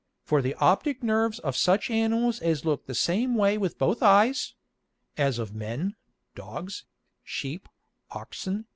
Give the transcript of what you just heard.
For the optick Nerves of such Animals as look the same way with both Eyes (as of Men, Dogs, Sheep, Oxen, &c.)